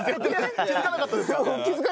気づかなかったですか？